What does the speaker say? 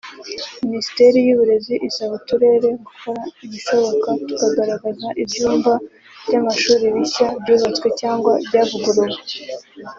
Ministeri y’Uburezi isaba uturere gukora ibishoboka tukagaragaza ibyumba by’amashuri bishya byubatswe cyangwa byavuguruwe